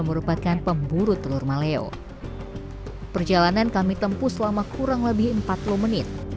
merupakan pemburu telur maleo perjalanan kami tempuh selama kurang lebih empat puluh menit